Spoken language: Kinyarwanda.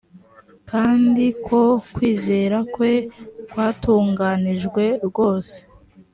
kandi ko kwizera kwe kwatunganijwe rwose